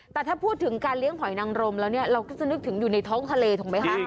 แต่ถ้าพูดถึงการเลี้ยงหอยนังรมแล้วเนี่ยเราก็จะนึกถึงอยู่ในท้องทะเลถูกไหมคะ